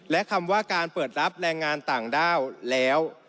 และคำว่าการเปิดรับแรงงานต่างด้าวแล้ว